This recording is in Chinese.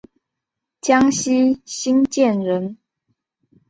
江西新建人。